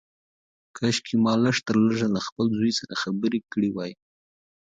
کاشکي ما لږ تر لږه له خپل زوی سره خبرې کړې وای.